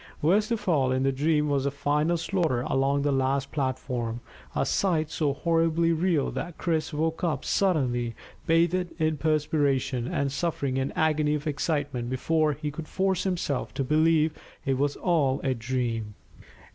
Worst of all in the dream was the final slaughter along the last platform, a sight so horribly real that Chris woke up suddenly, bathed in perspiration, and suffering an agony of excitement before he could force himself to believe it was all a dream.